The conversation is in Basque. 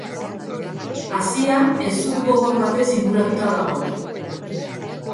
Hazia hezur gogor batez inguratuta dago.